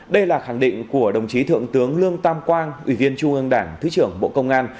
đây là khẳng định của đồng chí thượng tướng lương tam quang ủy viên trung ương đảng thứ trưởng bộ công an